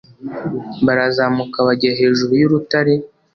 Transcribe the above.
Barazamuka bajya hejuru y'urutare.